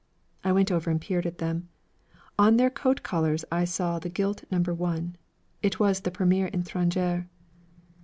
I went over and peered at them. On their coat collars I saw the gilt No. 1. It was the Premier Étranger.